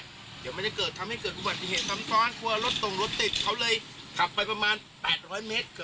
เดี๋ยวมันจะเกิดทำให้เกิดอุบัติเหตุซ้ำซ้อนกลัวรถตรงรถติดเขาเลยขับไปประมาณ๘๐๐เมตร